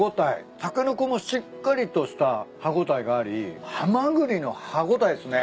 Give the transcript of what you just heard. タケノコもしっかりとした歯応えがありハマグリの歯応えっすね。